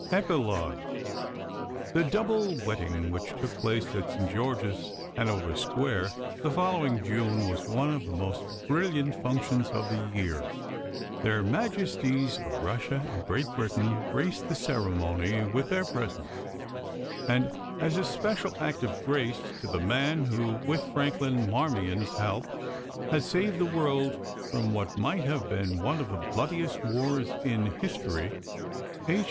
EPILOGUE The double wedding which took place at St George's, Hanover Square, the following June was one of the most brilliant functions of the year. Their Majesties of Russia and Great Britain graced the ceremony with their presence, and, as a special act of grace to the man who, with Franklin Marmion's help, had saved the world from what might have been one of the bloodiest wars in history, H.